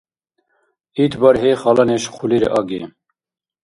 Ит бархӀи хала неш хъулир аги.